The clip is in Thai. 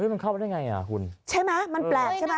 เฮ้ยมันเข้าไปได้ยังไงคุณใช่ไหมมันแปลกใช่ไหม